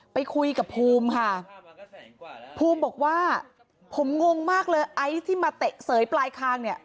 ไปคุยกับภูมิค่ะภูมิบอกว่าผมงงมากเลยไอซ์ที่มาเตะเสยปลายคางเนี่ย